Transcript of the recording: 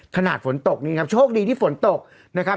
ขนาดฝนตกนี้ครับโชคดีที่ฝนตกนะครับ